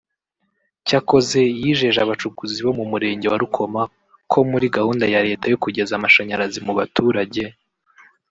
Cyakoze yijeje abacukuzi bo mu Murenge wa Rukoma ko muri gahunda ya Leta yo kugeza amashanyarazi mu baturage